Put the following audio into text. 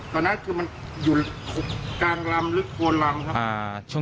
ตอนนั้นคือมันอยู่กลางลำลึกโวนลำครับ